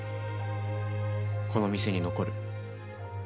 この店に残る。